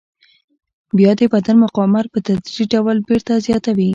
بیا د بدن مقاومت په تدریجي ډول بېرته زیاتوي.